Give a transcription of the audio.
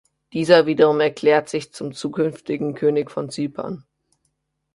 Dieser wiederum erklärt sich zum zukünftigen König von Zypern.